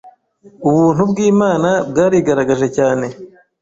Ubuntu bw’Imana bwarigaragaje cyane,